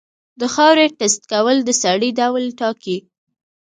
د خاورې ټیسټ کول د سرې ډول ټاکي.